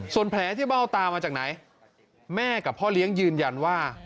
ส่วนแผลที่เบ้าตามาจากไหนแม่กับพ่อเลี้ยงยืนยันว่า